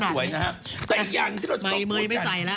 จากธนาคารกรุงเทพฯ